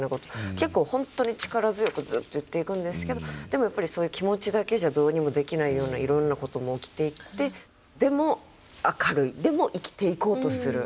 結構本当に力強くずっと言っていくんですけどでもやっぱりそういう気持ちだけじゃどうにもできないようないろんなことも起きていってでも明るいでも生きていこうとする。